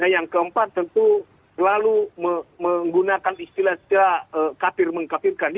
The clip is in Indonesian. yang keempat tentu lalu menggunakan istilah istilah kapir mengkapirkan